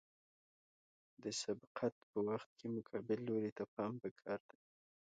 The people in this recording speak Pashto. د سبقت په وخت کې مقابل لوري ته پام پکار دی